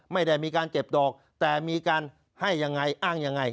ไม่ได้มีการเก็บดอกแต่มีการให้ยังไงอ้างยังไง